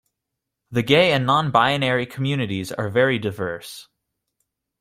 The gay and non-binary communities are very diverse.